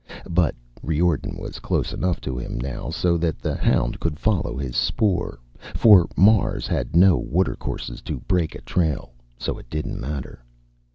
But Riordan was close enough to him now so that the hound could follow his spoor, for Mars had no watercourses to break a trail. So it didn't matter.